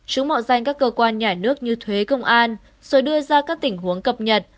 chúng mạo danh các cơ quan nhà nước như thuế công an rồi đưa ra các tình huống cập nhật